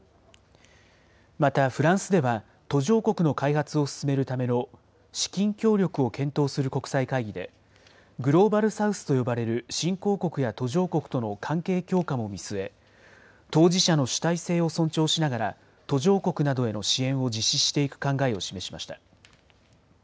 また、フランスでは途上国の開発を進めるための資金協力を検討する国際会議で、グローバル・サウスと呼ばれる新興国や途上国との関係強化も見据え、当事者の主体性を尊重しながら、途上国などへの支援を実施していく考えを示しました。